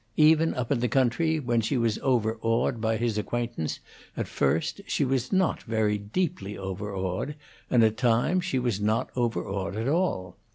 Even up in the country, when she was overawed by his acquaintance, at first, she was not very deeply overawed, and at times she was not overawed at all.